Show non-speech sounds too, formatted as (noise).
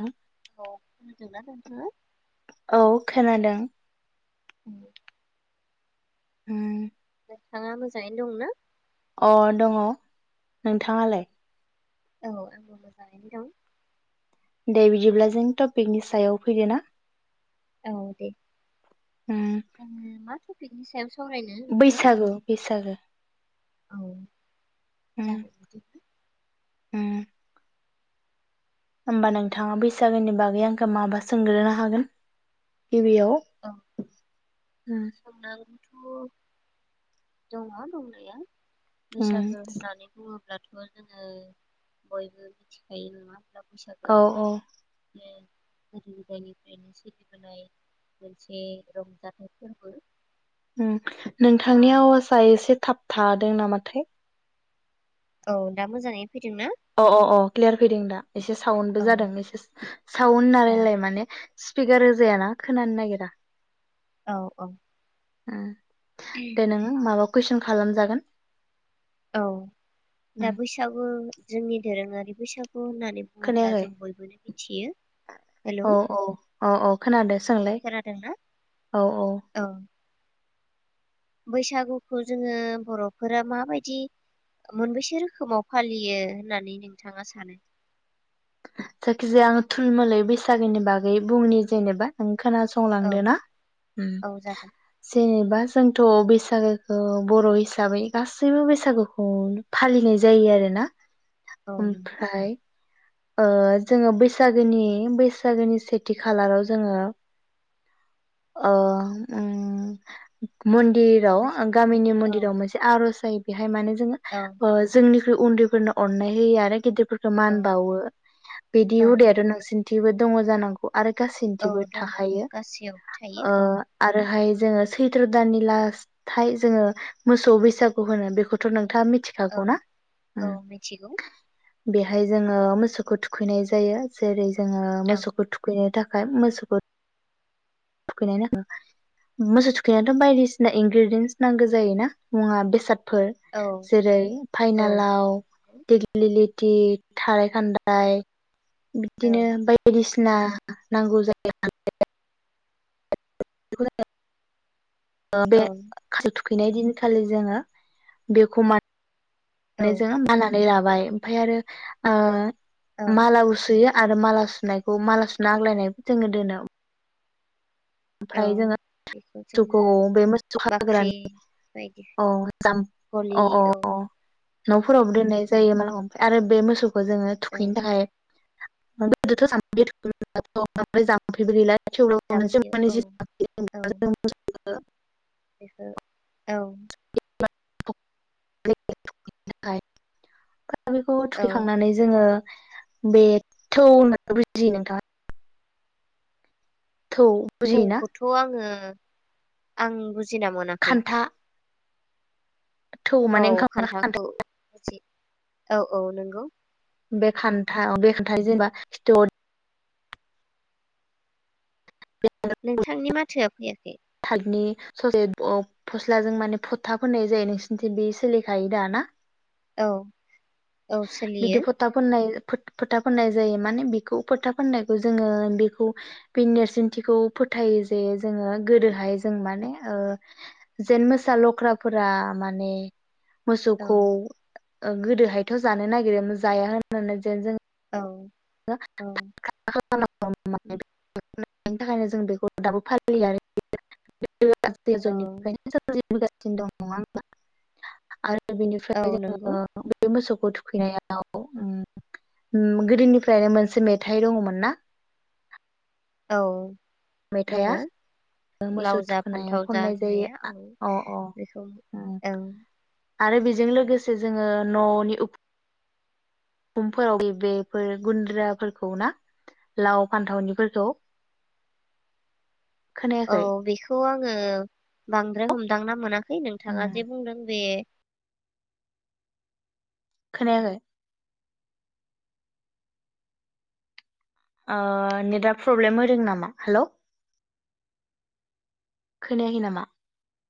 आह औ खोनादों ना नोंथाङा? औ खोनादों। उम उम। थाङा मोजाङैनो दं ना? अ दङ' नोंथाङालाय? औ आंबो मोजांयैनो दं। दे बिदिब्ला जों टपिकनि सायाव फैदो ना। औ दे उम जोङो मा थ पिकनिक सा बैसागु बैसागो औ उम जागोन बिदिब्ला उम। होमबा नोंथाङा बैसागोनि बागै आंखो माबा सोंग्रोनो हागोन? गिबियाव उम (unintelligible) थ' दङ' दंनाया उम बैसागो होननानै बुङो ब्लाथ' जोङो बयबो मिथिखायो नङा बैसागोआ औ औ जोंनि (unintelligible) गोदो गोदायनिफ्रायनो सोलिबोनाय मोनसे रंजाथाइ फोरबो ओ दा नोंथांनि आवाजआ एसे थाब थादों नामाथाय औ दा मोजाङै फैदोंना? अ अ अ क्लियार फैदों दा एसे साउनबो औ जादों एसे साउन औ नालाय माने स्पिकार होजाया ना खोनानो नागिरा। औ औ ओ दे नोङो माबा कुइसन खालामजागोन औ दा उम बैसागु जोंनि दोरोङारि बैसागु होननानै बुङोब्ला जों खोनायाखै बयबोनो मिथियो हेलौ औ औ औ औ खोनादो सोंलाय खोनादोंना औ बैसागुखौ जोङो बरफोरा माबायदि मोनबेसे रोखोमाव फालियो होननानै नोंथाङा सानो जायखिजाया आं थुलमोलै बैसागोनि बागै बुंनि जेनेबा नों औ खोनासंलांदो ना उम औ जागोन जेनेबा जों थ बैसागोखौ बर हिसाबै गासैबो बैसागुखौ फालिनाय जायो आरोना औ नंगौ ओमफ्राय ओ जोङो बैसागोनि बैसागोनि सेथि खालाराव जोङो ओ उम मुन दिराव गामिनि औ मन्दिराव मोनसे आरज जायो बेहाय माने जों औ ओ जोंनि उन्दैफोरनो अननाय होयो आरो गिदिफ फोरखो औ मान बावो बिदि औ हुदायाथ' नंगौ नोंसिनिथिबो दङ जानांगौ। आरो औ गासैनिथिबो दङ थाखायो गासैयावबो थायो ओ औ आरोहाय जोङो सैथ्र दाननि लास्थाय जोङो मोसौ बैसागु होनो बेखौथ' नों था औ मिथिखागौना औ ओम। मिथिगौ बेहाय जोङो मोसौखौ थुखैनाय जायो जेरै जोङो औ मोसौखौ थुखैनो थाखा फाय मोसौखौ थुखैनाय नाङो मोसौ थुखैनायाथ' बायदिसिना इनग्रेडेयन्स नांगो जायो ना मुवा बेसाद फोर औ जेरै औ फाइनालाव दि थाराइ खान्दाय औ बिदिनो बायदिसि ना नांगौ जायो (unintelligible) (inaudible) (unintelligible) औ खैनाय दिनखालि जोङो बेखौ मा औ माने जोङो माला नै लाबाय ओमफाय आरो ओ औ मालाबो सुयो। आरो माला सुनायखौ माला सुना आग्लायनायबो जोंनो दोनो। औ (unintelligible) (unintelligible) खौ बे मोसौ बाख्रि हाग्रानि बायदि औ (unintelligible) औ औ। न'फोरावबो दोननाय जायो (unintelligible) आरो बे मोसौ खो जोङो औ थुखैनो थाखाय जाम्फैयाव औ (unintelligible) (unintelligible) आरो म (inaudible) (unintelligible) बेखौ औ (unintelligible) दा बेखौ औ थुखैखांनानै जोंङो बेथौ होननानै बुजि नोंथाङा थौ बुजियोना? सौखौथ आंङो आं बुजिना मोनाखै खान्था थौ औ माने ओंखाम खान्था खान्थाखौ औ औ नंगौ बे खान्था बे खान्थाय जेनेबा नोंथांनि माथोआ फैयाखै ससे फस्लाजों माने फथा फनाय जायो नोंसिोरनिथिं बे सोलिखायो द ना औ औ सोलियो बिदिु फताबनाय फो फोथा फाननाय जायो माने बेखौ फोथा फाननायखौ जोंङो बेखौ बे नेरसोनथिखौ फोथायो जे जोंङो गोदोहाय जों माने जेन मोसा लख्राफोरा माने औ मोसौखौ गोदोहाय थ जानो नागिरोमोन जाया होन होननानै जेन जो औ (unintelligible) औ बेनि थाखायनो जों बेखौ दाबो फालियो आरो (unintelligible) (unintelligible) औ दं औ बेनिफ्राय जोंङो नंगौ बे मोसौखौ (unintelligible) थुखैनाय गोदोनि यो मोनसे मेथाइ दंङमोन ना औ दंङ मेथाइआ मोसौ लाव जा थुखैनायाव फान्थाव जा खननाय जायो होननाया औ अ अ बेखौ उम आरो बेजों लोगोसे जोंङो ननि उख (unintelligible) बेफोर गुनद्रा ना लाव फान्थाव औ बेखौ आं ओ आंङो बांद्राय हमदांना मोनाखै हैओइ उम नोंथाङा जे बुंदों बे खोनायाखै ओ नेटदा प्रब्लेम होदों नामा हेलौ खोनायाखै नामा